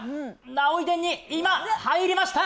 儺追殿に今、入りました。